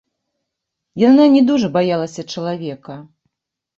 Яна не дужа баялася чалавека.